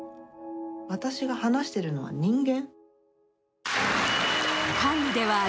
私が話してるのは人間？